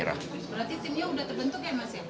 berarti tim yang sudah terbentuk ya mas